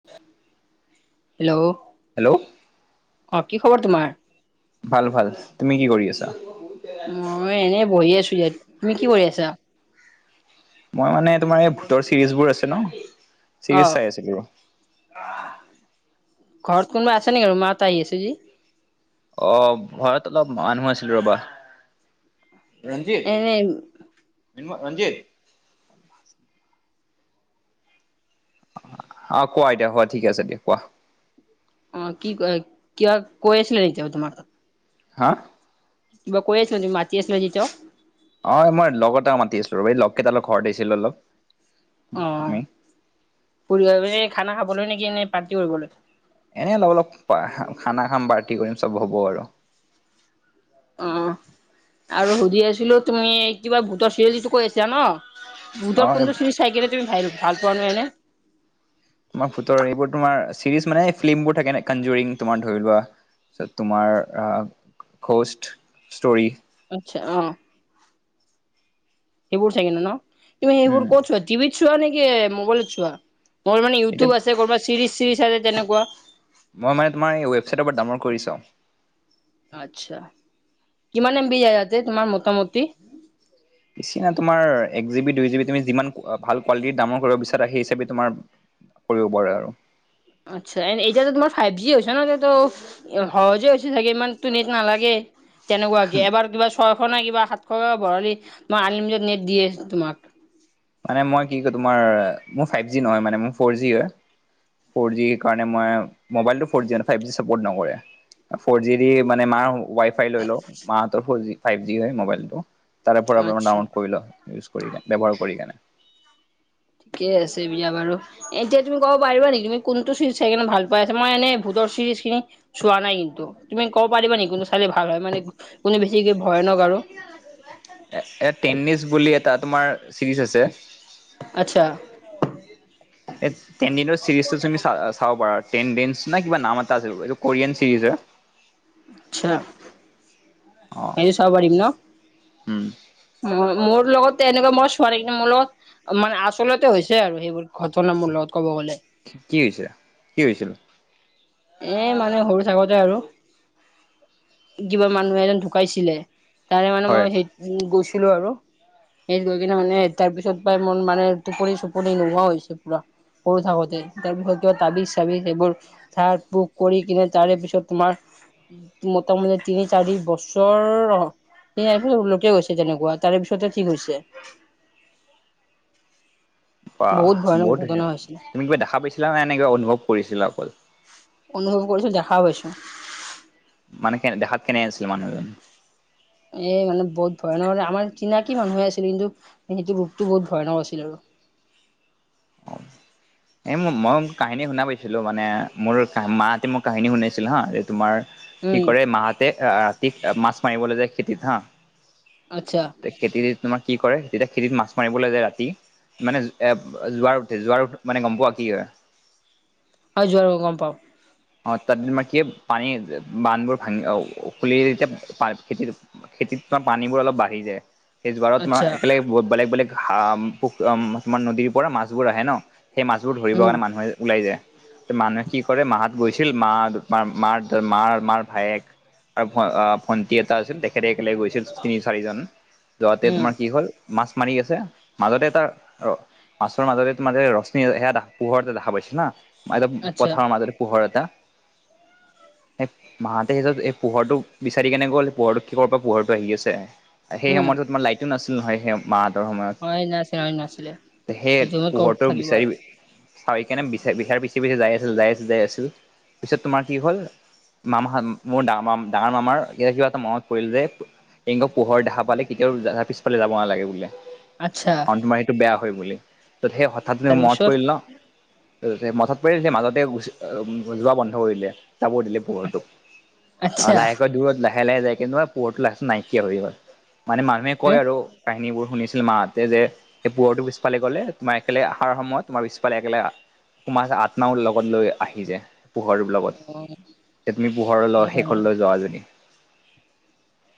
[inaudible] Hello. Hello. অ', কি খবৰ তোমাৰ। ভাল-ভাল, তুমি কি কৰি আছা। মই এনেই বহি আছো ইয়াত, তুমি কি কৰি আছা। মই মানে তোমাৰ এই ভোতৰ চিৰিজবোৰ আছে ন, অ চিৰিজ চাই আছিলো। ঘৰত কোনোবা আছে নেকি মাত আহি আছে যে অ ঘৰত অলপ মানুহ আছিলো ৰবা ৰঞ্জিত এনে মৃন্ময় ৰঞ্জিত অ কোৱা এতিয়া হোৱা ঠিক আছে দিয়া কোৱা অ কি কয় কিয়া কৈ আছিলে নেকি এতিয়া তোমাৰ তাত হা কিবা কৰি আছিলে মাতি আছিলো যে তোক অ মই লগ এটা মাতি আছো ৰ বা এই লগকেইটা লগত ঘৰত আহিছিলো অলপ অ আমি। ফুৰিব খানা খাবলৈ নেকি এ পাৰ্টি ধোও কৰিবলৈ এনেই অলপ অলপ খানা খাম পাৰ্টি কৰিম চব হ'ব আৰু অ আৰু সুধি আছিলো তুমি কিবা ভোটৰ চিৰিটো কৈ আছিলা ন অ ভূতৰ কোনটো চিৰি চাই কিনে তুমি ভাইৰেল ভাল পোৱানো এনে তোমাৰ ভুতৰ এইবোৰ তোমাৰ চিৰিজ মানে ফিল্মবোৰ থাকে ন কনজুৰিং তোম ধৰি লোৱা আচ্ছা তোমাৰো খষ্ট ষ্টৰি আচ্ছা অ সেইবোৰ চাগে ন ন তুমি সেইবোৰ উম ক'ত চোৱা টিভিত চোৱা নেকি মোবাইলত চোৱা মোৰ মানে এতিয়া ইউটিউব আছে ক'ৰবাত চিৰিজ চিৰিজ আছে তেনেকোৱা মই মানে তোমাৰ ৱেবছাইটৰ পৰা ডাউনলোড কৰি চাও আচ্ছা কিমান এম বি যায় ইয়াতে তোমাৰ মোটামটি বেছি নহয় তোমাৰ এক জিবি দুই জিবি তুমি যিমান ভাল কোৱালিটিৰ দামৰ কৰিব বিচাৰা সেই হিচাপে তোমাৰ কৰিব পাৰে আৰু আচ্ছা এড এতিয়াতো তোমাৰ ফাইভ জি হৈছে ন এতিয়াতো সহজে হৈছে চাগে ইমান টু নেট নালাগে তেনেকোৱা কি এবাৰ কিবা ছয়শ নাই কিবা সাতশ ভৰালি তোমাৰ আনলিমিটেত নেট দিয়ে তোমাক মানে মই কি কয় তোমাৰ মোৰ ফাইভ জি নহয় মানে মোৰ ফৰ জি হয় ফ'ৰ জিৰ কাৰণে মই মোবাইলটো four G five G support নকৰে ফ'ৰ জি দি মানে মাৰ হ ৱাই ফাই লৈ লও মাহতৰ ফৰ জি ফাইভ জি হয় মোবাইলটো তাৰে পৰা আচ্ছা ডাউনলোড কৰি লও ইউজ কৰিলা ব্যৱহাৰ কৰি কেনে ঠিকেই আছে বিয়া বাৰু এতিয়া তুমি কব পাৰিবা নেকি তুমি কোনটো চিৰিজ চাই কিনে ভাল পোৱা মই এনে ভূতৰ চিৰিজ খিনি চোৱা নাই কিন্তু তুমি ক'ব পাৰিবা নেকি কোনো ছোৱালী ভাল হয় মানে কোনে বেছিকে ভয়ানক আৰু এ এ টেনিছ বুলি এটা তোমাৰ চিৰিজ আছে আচ্ছা এ তিনদিনৰ চিৰিজটো তুমি চ চাব পাৰা টেনে ডেনচ কিবা নাম এটা আছিল এইটো কোৰিয়ান চিৰিজ হয় আচ্ছা অ এটো চাব পাৰিম ন উম মোৰ লগত এনেকোৱা মই ছোৱালী কি মোৰ লগত মানে আচলতে হৈছে আৰু সেইবোৰ ঘটনা মোৰ লগত ক'ব গলে কি হৈছে কি হৈছিল এ মানে সৰু থাকোতে আৰু কিবা মানুহে এজন ঢুকাইছিলে তাৰে মানে হয় মই সেই গৈছিলো আৰু হেৰিত গৈ কিনে মানে তাৰ পিছত পায় মোৰ মানে টোপনি চোপনি নোহোৱা হৈছে পুৰা সৰু থাকোতে তাৰ পিছত কিবা তাবিজ চাবিজ এইবোৰ ধাৰ বুক কৰি কিনে তাৰে পিছত তোমাৰ মোটামুটি তিনি চাৰি বছৰ লকে গৈছে তেনেকোৱা তাৰে পিছতহে ঠিক হৈছে বা ভয়ানক বহুত ঘটনা ধুনীয়া হৈছিল। তুমি কিবা দেখা পাইছিলা নে এনে কিবা অনুভৱ কৰিছিলা অকল অনুভৱ কৰিছিলো দেখাও পাইছো মানে কেনে দেখাত কেনে আনিছিলে মানুহজন এ মানে বহুত ভয়ানক মানে আমাৰ চিনাকি মানুহে আছিলে কিন্তু সেইটো ৰূপটো বহুত ভয়ানক আছিল আৰু [inaudible] এই মোৰ মই মোক কাহিনী শুনা পাইছিলো মানে মোৰ মাহঁতে মোক কাহিনী শুনাইছিলে হা তোমাৰ কি উম কৰে মাহঁতে আ ৰাতি মাছ মাৰিবলৈ যায় খেতিত হা আচ্ছা খেতি তোমাৰ কি কৰে তেতিয়া খেতিত মাছ মাৰিবলৈ যায় ৰাতি মানে এ যোৱাৰ উঠে যোৱাৰ উ মানে গম পোৱা কি হয় হয় যোৱাৰো গম পাও অ তাত তোমাৰ কি পানী বান্ধবোৰ ভাঙি খুলি তেতিয়া পা খেতি খেতিত তোমাৰ পানীবোৰ অলপ বাঢ়ি যায় সেই জুৱাৰত আচ্ছা একেলগে বেলেগ বেলেগ হ মানে পু তোমাৰ নদীৰ পৰা মাছবোৰ আহে ন সেই মাছবোৰ ধৰিবৰ উম কাৰণে মানুহে ওলাই যায় মানুহে কি কৰে মাহত গৈছিল মা মাৰ মাৰ মাৰ ভায়েক আৰু ভ ভণ্টি এটা আছিল তেখেতে একেলগে গৈছিল তিনি চাৰিজন যোৱাতে উম তোমাৰ কি হ'ল মাছ মাৰি আছে মাজতে তাৰ অ মাছৰ মাজেৰে তোমাৰ ৰশ্মি সেয়া পোহৰতে দেখা পাইছে না একদম আচ্ছা পথাৰৰ মাজতে পোহৰ এটা সে মাহঁতে সিহঁতক এই পোহৰটো বিচাৰি কেনে গ'ল পোহৰটো কিহৰ পৰা পোহৰটো আহি আছে সেই উম সময়টোত তোমাৰ লাইটো নাছিল নহয় সেই মাহঁতৰ অ নাছিলে হয় নাছিলে সময়ত সেই সেইটো ৰুমত ক'ত পোহৰতো থাকিব আৰু বিচাৰি সেই কাৰণে বি বিচাৰ পিছে পিছে যাই আছিল যাই আছিল যাই আছিল পিছত তোমাৰ কি হ'ল মামা মোৰ ডাঙৰ মা ডাঙৰ মামাৰ এতিয়া কিবা এটা মনত পৰিল যে এংগ পোহৰ দেখা পালে কেতিয়াও আ পিছফালে যাব নালাগে বোলে আচ্ছা কাৰণ তোমাৰ সেইটো বেয়া হয় বুলি ত' সেই হঠাৎ তে মনত তাৰপিছত পৰিল ন তো সে মনত পৰিল মাজতে যোৱা বন্ধ কৰি দিলে যাব নিদিলে পোহৰটো অ আচ্ছা লাহেকৈ দূৰত লাহে লাহে যায় কিন্তু পোহৰটো লাহে নাইকিয়া হৈ গল মানে মানুহে হ কয় আৰু কাহিনীবোৰ শুনিছিল মাহঁতে যে এই পোহৰটো পিছফালে গ'লে তোমাৰ একেলগে অহাৰ সময়ত তোমাৰ পিছফালে একেলগে তোমাৰ আত্মাও লগত লৈ আহি যায় পোহৰৰ অ লগত এতিয়া তুমি পোহৰলৈ সেইকাৰণে শেষলৈ যোৱা জনী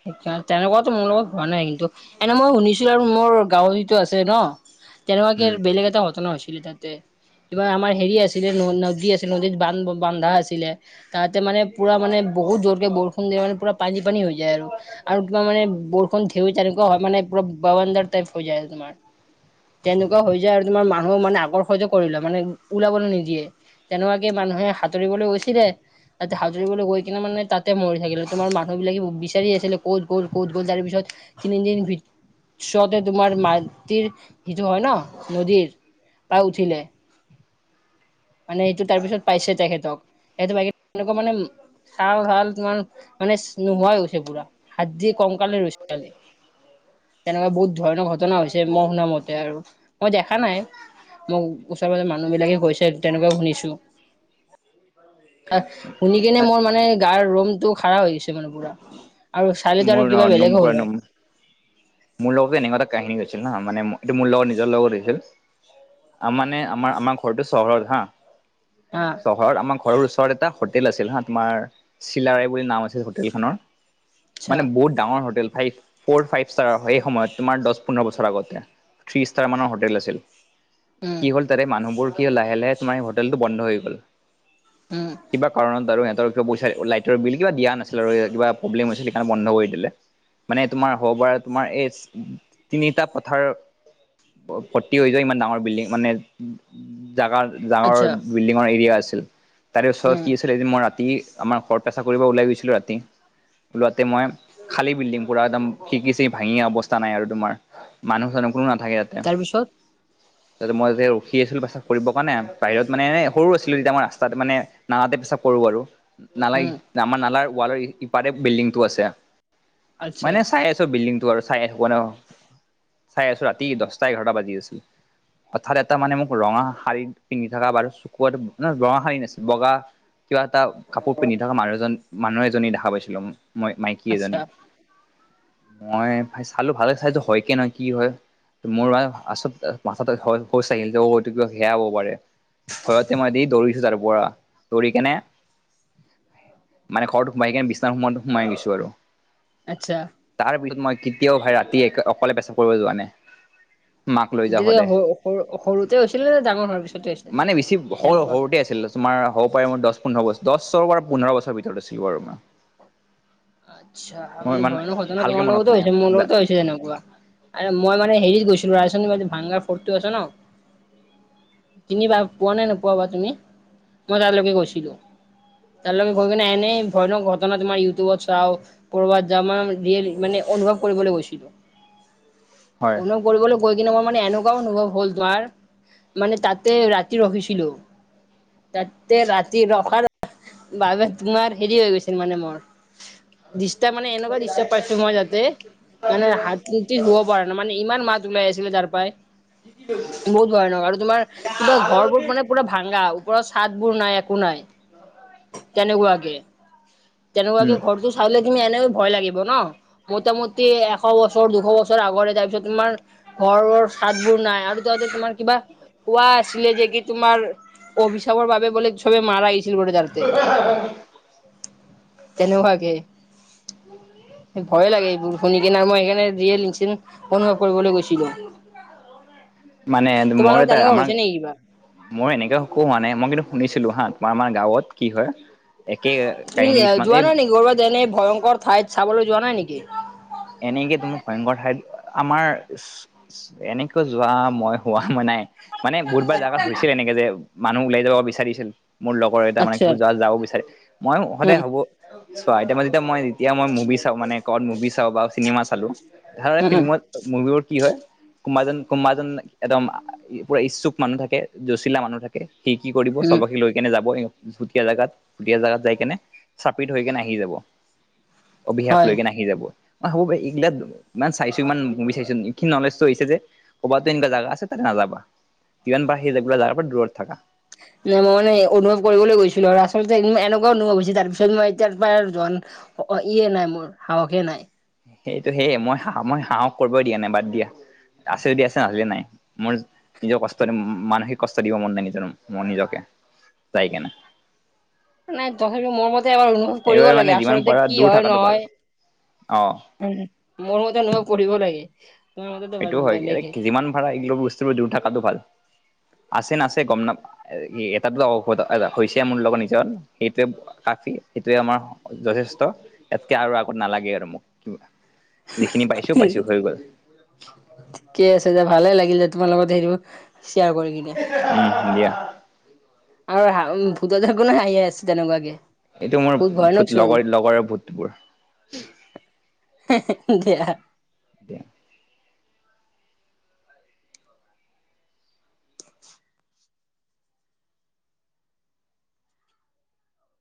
তে তেনেকোৱাতো মোৰ লগত হোৱা নাই কিন্তু এনে মই শুনিছো আৰু মোৰ গাঁৱৰ যিটো আছে ন, উম তেনেকোৱাকে বেলেগ এটা ঘটনা হৈছিলে তাত। যে কিবা আমাৰ হেৰি আছিলে ন নদী আছিলে নদীত বান্ধ বন্ধা আছিলে তাহাতে মানে পুৰা মানে বহুত জোৰকে বৰষুণ দিয়ে মানে পুৰা পানী পানী হৈ যায় আৰু আৰু কিবা মানে বৰষুণ ঢেউ তেনেকোৱা হয় মানে পৰা বাবানডাৰ টাইপ হৈ যায় তোমাৰ তেনেকোৱা হৈ যায় আৰু তোমাৰ মানুহে মানে আকৰ্ষিত কৰি লয় মানে ওলাবলে নিদিয়ে তেনেকোৱাকে মানুহে সাঁতুৰিবলৈ গৈছিলে তাতে, সাতুৰিবলৈ গৈ কিনে মানে তাতে মৰি থাকিলে তোমাৰ মানুহবিলাকে বিচাৰি আছিলে ক'ত গ'ল ক'ত গ'ল তাৰ পিছত তিনিদিন ভি ওচৰতে তোমাৰ মাটিৰ সিটো হয় ন নদীৰ। পাই উঠিলে মানে এইটো তাৰপিছত পাইছে তেখেতক। সেইটো তেনেকোৱা মানে, চাল ভাল তোমাৰ মানে নোহোৱা গৈছে পুৰা হাড়দি কংকালে ৰৈছে কালি তেনেকোৱা বহুত ধৰণৰ ঘটনা হৈছে, মই শুনা মতে আৰু মই দেখা নাই মোক ওচৰ পাজৰ মানুহ বিলাকে কৈছে তেনেকোৱা শুনিছো। [unintelligible] শুনি কেনে মোৰ মানে গাৰ নোমটো খাৰা হৈ গৈছে মানে পুৰা আৰু চাইলেতো মোৰ আৰু কিবা বেলেগ হ'ল হয়। মোৰ লগতো এনেকোৱা এটা কাহিনী হৈছিল ন, মানে এইটো মোৰ লগত নিজৰ লগত হৈছিল। আ মানে আমাৰ আমাৰ ঘৰটো চহৰত হা অ', চহৰত আমাৰ ঘৰৰ ওচৰত এটা হোটেল আছিল হা তোমাৰ চিলাৰয় বুলি নাম আছিল হোটেলখনৰ আচ্ছা মানে বহুত ডাঙৰ hotel five, four five star সেই সময়ত তোমাৰ দহ পোন্ধৰ বছৰ আগতে থ্ৰী ষ্টাৰ মানৰ হোটেল আছিল। উম, কি হ'ল তাৰে মানুহবোৰ কি লাহে-লাহে তোমাৰ এই হোটেলটো বন্ধ হৈ গ'ল। উম, কিবা কাৰণত আৰু সিহঁতৰ কিবা লাইটৰ বিল কিবা দিয়া নাছিল আৰু কিব প্ৰব্লেম হৈছিল সেইকাৰণে বন্ধ কৰি দিলে। মানে তোমাৰ হ'ব পাৰা তোমাৰ এই তিনিটা পথাৰ ফৰ্তি হৈ গৈ ইমান ডাঙৰ বিল্ডিং মানে জাগা ডাঙৰ আচ্ছা বিল্ডিঙৰ এৰিয়া আছিল, তাৰে উম ওচৰত কি লে মই ৰাতি আমাৰ ঘৰত পেচা কৰিব ওলাই গৈছিলো ৰাতি। ওলোৱাতে মই খালী বিল্ডিং পুৰা একদম খিৰিকি-ছিৰিকি ভাঙি অৱস্থা নাই আৰু তোমাৰ। মানুহ-চানুহ কোনো নাথাকে ইয়াতে। তাৰপিছত? ত মই যেতিয়া ৰখি আছিলো প্ৰেচাপ কৰিবৰ কাৰণে, বাহিৰত মানে সৰু আছিলো তেতিয়া মই ৰাস্তাত মানে নালাতে পেছাপ কৰো আৰু। নালাই‌ উম আমাৰ নালাৰ ৱালৰ ইপাৰে বিল্ডিং টো আছে আচ্ছা মানে চাই আ বিল্ডিং টো আৰু চাই থাকো ন চাই আছো ৰাতি দহটা এঘাৰটা বাজি আছিল। হথাৎ এটা মানে মোক ৰঙা শাৰ়ী পিন্ধি থাকা বাৰ কুকুৱাটো নহ ৰঙা শাৰী নহয় বগা। কিবা এটা কাপোৰ পিন্ধি থকা মানুহ এজন, মানুহ এজনী দেখা পাইছিলোঁ ম মাইকী আচ্ছা এজনী। মই পা চালো ভাল চালো হয় কে নহয় কি হয়? মোৰ মা আচত মাথাতে শোচ আহিল হয়তো কিব সেয়া হব পাৰে। [unintelligible] ভয়তে মই দি দৌৰিছো তাৰ পৰা। দৌৰি কেনে মানে ঘৰৰত সোমাই কিনে বিছনাত সোমায় সোমাই গৈছো আৰু। আচ্ছা। তাৰ পিছত মই কেতিয়াও ভাই ৰাতি অকলে পেচাপ কৰিব যোৱা নাই। মাক লৈ যা হয় তেতিয়া দে, সৰুতে হৈছিলে নে ডাঙৰ হোৱাৰ পিছতে হৈছে মানে বেছি তেনেকুৱা স-সৰুতে আছিল। তোমাৰ হ'ব পাৰে মই দহ পোন্ধৰ বছৰ পৰা পোন্ধৰ বৰ ভিতৰত আছিলো আৰু। আচ্ছা মানে ইমান ভয় ন, খতৰা ভালকে তোমাৰ মনত নাই লগতোছে মোৰ লগতোছে। [unintelligible] তেনেকুৱা মই মানে হেৰিত গৈছিলো ৰা ভাংগাৰ ফটো আছে ন। তিনিবাৰ পোৱা নাই নোপোৱা বা তুমি মই তালৈকে গৈছিলো। তালকে গৈ কিনে‌ এনেই ভয় ন, ঘটনা তোমাৰ ইউটউবত আও‌ কৰবাত যা মানে অনুভৱ কৰিবলৈ গৈছিলো হয়। অনুভৱ কৰিবলৈ গৈ কিনে মোৰ মানে এনেকুৱাও অনুভৱ হ'ল তোমাৰ মানে তাতে ৰাতি ৰখিছিলো। তাতে ৰাতি ৰখাৰ বাবে তোমাৰ হেৰি হৈ গৈছিল মানে মোৰ। ডিষ্টাৰ মানে এনেকুৱা ডিষ্টাৰ পাইছো মই তাতে। মানে হাতটোদি শুব পৰা নাই মানে ইমান মাত ওলাই আছিলে তাৰ পৰাই। [inaudible] বহুত ভয় নহআৰু তোমাৰ কিবা ঘৰবোৰ মানে পুৰা ভাংগা। ওপৰত চাদবোৰ নাই। একো নাই তেনেকুৱাকে-তেনেকুৱাকে। টো চাইলে তুমি এনেও ভয় লাগিব ন। মোটামুটি এশ বছৰ, দুশ বছৰ আগৰে তাৰপিছত তোমাৰ ঘৰৰ ছাদবোৰ নাই আৰু তাতে তোমাৰ কিবা কোৱা আছিলে যে কি তোমাৰ অভিশাপৰ বাবে বোলে চবে মাৰাছিল চিল জালতে। উম। তেনেকুৱাকে। ভয়ে লাগে এইবোৰ শুনি কিনেআৰু মই সেইকাৰণেয় অনুভৱ কৰিবলৈ গৈছিলো। [unintelligible] মানে মোৰ তোমালোকৰ এটা তেনেকুৱা আমাক হৈছে নেকি কিবা মই এনেকা শু মানে মই কিন্তু শুনিছিলো হা তোমাৰ আমাৰ গাঁৱত কি হয়। একেই তুমি যোৱা নাই নেকি কৰ'বাত এনে ভয়ংকৰ ঠাইত চাবলৈ যোৱা নাই নেকি? এনেকে তোমোক ভয়ংকৰ ঠাইত আমাৰ এনেকৈ যোৱা মই হোৱা মই নাই। মানে বহুতবাৰ জাগাত হৈছিল এনেকে যে মানুহ ওলাই যাব বিচাৰিছিল। মোৰ লগৰ এটা মানে আচ্ছা গোজৰাট যাব বিচাৰে মই সদায় উম ভাবো চোৱা এতিয়া মই যেতিয়া মই যেতিয়া মুভি চাওঁ মানে ক'বাত মুভি চাওঁ বা চিনেমা চালো ধাৰা উম ফিল্মত মুভিবোৰত কি হয় কোমাজন -কোমাজন এদম পুৰা ইচ্ছুক মানুহ থাকে জচিলা মানুহ থাক এ সি কি কৰিব উম উম চবকে লৈ কিনে যাব ভুটীয়া জাগাত -ভুটীয়া জাগাত যাই কেনে চাপি থৈ কিনে আহি যাব। অভিশাপ হয় লৈকেনে আহি যাব। অ, হ'ব পাৰে এইগিলাত ইমান চাইছো ইমান মুভি চাইছোঁ এইখিনি নলেজটো হৈছে যে ক'বাততো এনেকা জাগা আছে তাতে নাযাবা যিমান পাৰা সেই এইগিলা যাগাৰ পৰা দূৰত থাকা। নাই মই মানে অনুভৱ কৰিবলৈ গৈছিলোঁ আৰু আচলতে এনেকুৱা অনুভৱ হৈছে তাৰপিছত মই এতিয়াৰ পাই আৰু যোৱা অ, ইয়ে নাই মোৰ সাহসে নাই। এই ত' সেয়ে মই হাঁ মই হাঁহক কৰবই দিয়া নাই বাদ দিয়া। আছে যদি আছে [unintelligible] নাই মোৰ নিজৰ কষ্ট [unintelligible] মানসিক কষ্ট দিব মন নাই নিজৰ নিজকে যাই কিনে। নাই তথাপিটো মোৰ মতে এবাৰ কৰিব সেইবাবে মানে লাগে যিমান আচলতে পাৰা কি দূৰ হয় থকাটো ভাল নহয় অ উম, মোৰ মতে নহয় পঢ়িব লাগে। তোমাৰ মতেতো সেইটোও হয় বেলেগে [unintelligible] যিমান ভাড়া এইগিলাক বস্তু দূৰ থাকাতো ভাল আছে নাছে গম নাপা [unintelligible] হৈছে মোৰ লগৰ নিজৰ সেইটোৱে কাফি সেইটোৱে আমাৰ যথেষ্ট এয়াতকে আৰু আগত নালাগে আৰু মোক যিখিনি পাইছো- পাইছো হৈ গ'ল। ঠিকে আছে যে ভালে লাগিল যে তোমাৰ লগত সেইবোৰ শ্বেয়াৰ কৰি কিনে। উম, দিয়া। আৰু হা উম, ভূত থাকোঁ না হাঁহিয়ে আছে তেনেকুৱাকে। এইটো মোৰ বহুত ভয়ানক ভূত লগৰ -লগৰ ভূতবোৰ। হে-হে দিয়া। দিয়া।